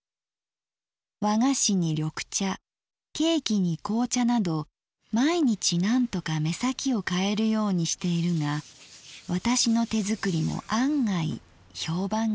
和菓子に緑茶ケーキに紅茶など毎日なんとか目先を変えるようにしているが私の手づくりも案外評判がいい。